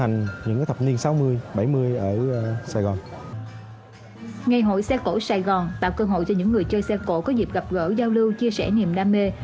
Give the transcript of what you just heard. ngày hội xe cổ sài gòn tạo cơ hội cho những người chơi xe cổ có dịp gặp gỡ giao lưu chia sẻ niềm đam mê